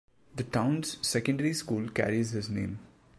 The town's secondary school carries his name.